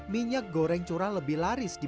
minyak goreng curah lebih larang dari minyak kemasan